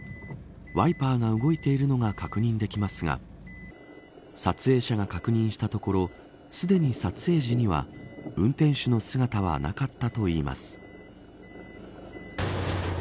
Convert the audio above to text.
ワイパーが動いているのが確認できますが撮影者が確認したところすでに撮影時には運転手の姿はなかったといいます。